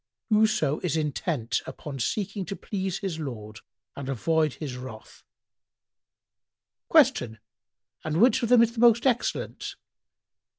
"—"Whoso is intent upon seeking to please his Lord and avoid His wrath." Q "And which of them is the most excellent?"